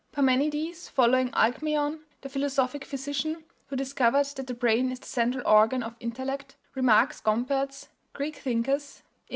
Parmenides, following Alcmaeon, the philosophic physician who discovered that the brain is the central organ of intellect, remarks Gomperz (Greek Thinkers, Eng.